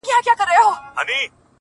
ستا وینا راته پیدا کړه دا پوښتنه!.